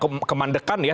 selama kemandekan ya